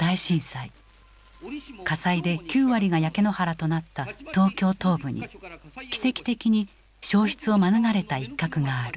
火災で９割が焼け野原となった東京東部に奇跡的に焼失を免れた一角がある。